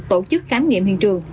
tổ chức khám nghiệm hiện trường